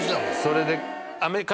それで彼